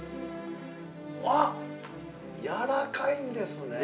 ◆ああ、やわらかいんですね。